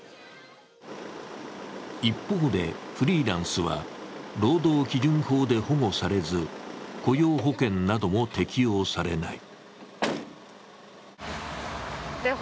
一方で、フリーランスは労働基準法で保護されず、雇用保険なども適用されない。